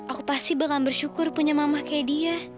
aku pasti benar benar bersyukur punya mama kayak dia